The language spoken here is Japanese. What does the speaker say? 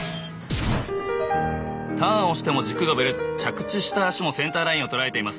ターンをしても軸がぶれず着地した足もセンターラインをとらえています。